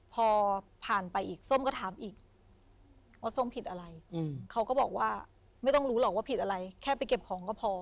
พอผ่านไปอีกส้มก็ถามอีกว่าส้มผิดอะไรเขาก็บอกว่าไม่ต้องรู้หรอกว่าผิดอะไรแค่ไปเก็บของก็พอ